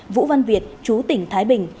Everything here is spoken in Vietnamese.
vũ văn việt trú tỉnh thái bình